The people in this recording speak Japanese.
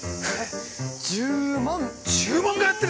１０万。